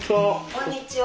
こんにちは。